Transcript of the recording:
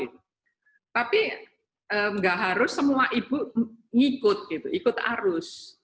tapi gak harus semua ibu ikut arus